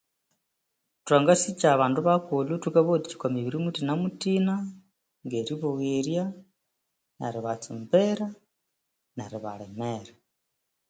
Thwangasikya abandu bakulhu thukabawathikya okwa mibiri muthinamuthina ngeri bogherya eribatsumbira neribalimira